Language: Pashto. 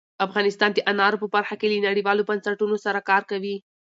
افغانستان د انارو په برخه کې له نړیوالو بنسټونو سره کار کوي.